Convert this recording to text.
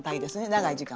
長い時間。